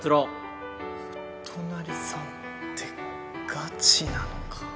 お隣さんってガチなのか。